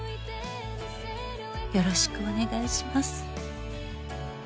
「よろしくお願いします」